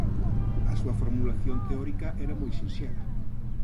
A súa formulación teórica era moi sinxela.